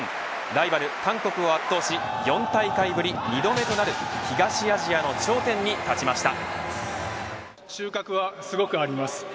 ライバル韓国を圧倒し４大会ぶり２度目となる東アジアの頂点に立ちました。